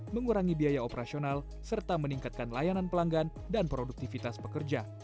mengurangi biaya operasional serta meningkatkan layanan pelanggan dan produktivitas pekerja